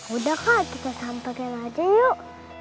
udah kak kita santagel aja yuk